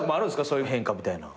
そういう変化みたいな。